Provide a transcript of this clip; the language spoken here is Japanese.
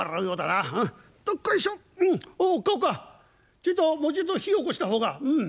ちょいともうちっと火をおこした方が。